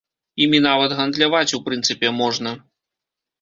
Імі нават гандляваць, у прынцыпе, можна.